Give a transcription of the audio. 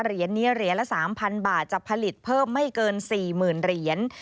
เหรียญนี้เหรียญละ๓๐๐บาทจะผลิตเพิ่มไม่เกิน๔๐๐๐เหรียญ